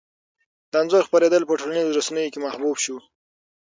د انځور خپرېدل په ټولنیزو رسنیو کې محبوب شو.